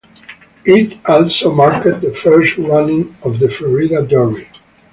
It also marked the first running of the Florida Derby.